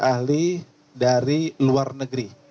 ahli dari luar negeri